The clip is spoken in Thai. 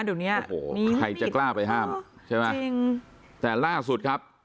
เดี๋ยวเนี้ยโอ้โหใครจะกล้าไปห้ามใช่ไหมจริงแต่ล่าสุดครับ